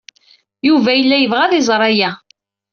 Yuba yella yebɣa ad iẓer aya.